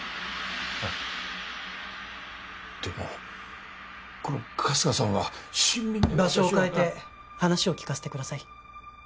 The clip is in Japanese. はいでもこの春日さんは親身に場所を変えて話を聞かせてください